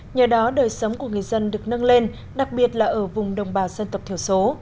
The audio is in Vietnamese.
nhờ đó đời sống của người dân được nâng lên đặc biệt là ở vùng đồng bào dân tộc thiểu số